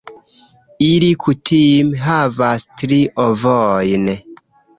Ili kutime havas tri ovojn.